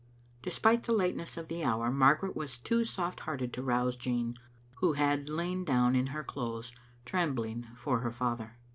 Despite the lateness of the hour Margaret was too soft hearted to rouse Jean, who had lain down in her clothes, trembling for her father.